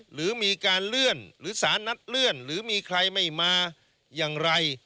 หรือมีการเลื่อนหรือสารนัดเลื่อนหรือมีใครไม่มาอย่างไร